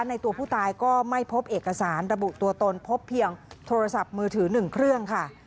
ในตัวผู้ตายก็ไม่พบเอกสารระบุตัวตนพบเพียงโทรศัพท์มือถือ๑เครื่องค่ะ